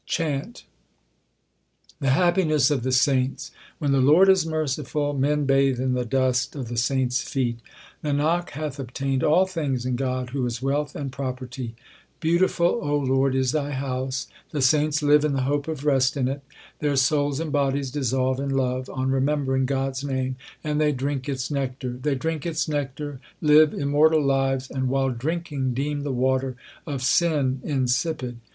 CHHANT. The happiness of the saints : When the Lord is merciful, men bathe in the dust of the saints feet. Nanak hath obtained all things in God who is wealth and property. Beautiful, O Lord, is Thy house ; the saints live in the hope of rest in it. Their souls and bodies dissolve in love on remembering God s name, and they drink its nectar ; They drink its nectar, live immortal lives, and while drinking deem the water of sin insipid.